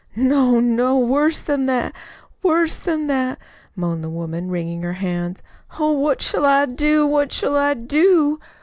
"No, no, worse than that, worse than that!" moaned the woman, wringing her hands. "Oh, what shall I do, what shall I do?"